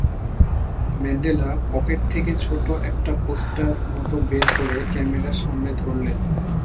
Mandela pocket থেকে ছোট একটি পোস্টার মতো বের করে ক্যামেরার সামনে ধরলেন।